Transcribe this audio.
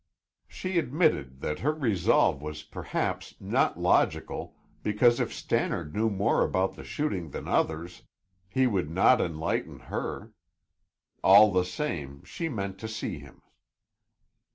She admitted that her resolve was perhaps not logical, because if Stannard knew more about the shooting than others, he would not enlighten her. All the same, she meant to see him.